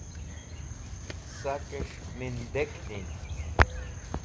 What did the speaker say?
Sakes̃h Mindek Din